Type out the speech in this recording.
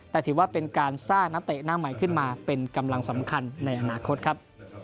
แต่ถือว่าเป็นการสร้างนักเตะหน้าใหม่ขึ้นมาเป็นกำลังสำคัญในอนาคตครับ